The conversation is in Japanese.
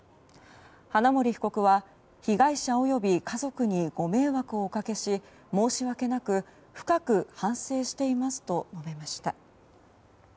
花森被告は、被害者及び家族にご迷惑をおかけし申し訳なく、深く反省していますと述べました。